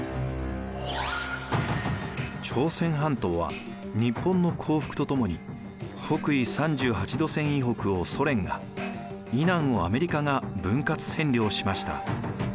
朝鮮半島は日本の降伏とともに北緯３８度線以北をソ連が以南をアメリカが分割占領しました。